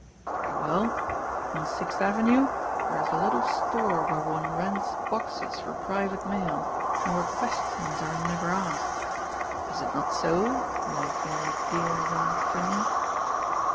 Very well! On Sixth Avenue there is a little store where one rents boxes for private mail, and where questions are never asked is it not so, my very dear young friend?"